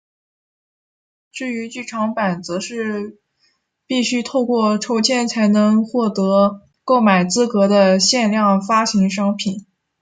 至于剧场版则是必须透过抽签才能获得购买资格的限量发行商品。